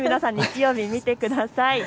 日曜日、見てください。